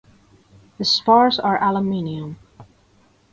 The spars are aluminum.